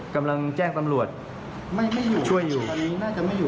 กำลังแจ้งตำรวจไม่ไม่อยู่ช่วยอยู่น่าจะไม่อยู่